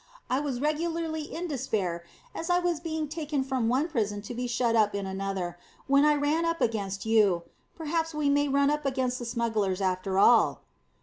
"I was regularly in despair as I was being taken from one prison to be shut up in another, when I ran up against you. Perhaps we may run up against the smugglers after all."